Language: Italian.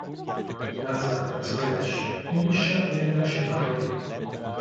La zattera si rovescia e Mischa viene trascinato a riva.